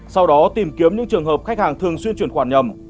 sau đó tìm kiếm những trường hợp khách hàng thường xuyên chuyển khoản nhầm